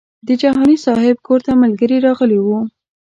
د جهاني صاحب کور ته ملګري راغلي وو.